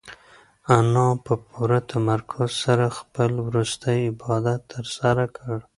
انا په پوره تمرکز سره خپل وروستی عبادت ترسره کړ.